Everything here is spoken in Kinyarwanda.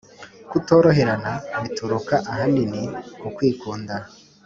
Kutoroherana bituruka ahanini ku kwikunda